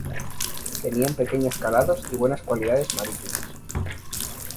Tenían pequeños calados y buenas cualidades marítimas.